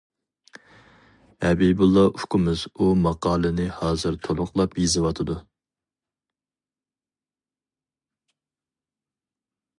ھەبىبۇللا ئۇكىمىز ئۇ ماقالىنى ھازىر تولۇقلاپ يېزىۋاتىدۇ.